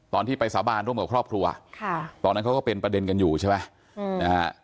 ตอนที่ไปสาบานร่วมกับครอบครัวตอนนั้นเขาก็เป็นประเด็นกันอยู่ใช่ไหมนะฮะ